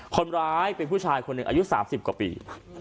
คนร้ายเป็นผู้ชายคนหนึ่งอายุ๓๐กว่าปี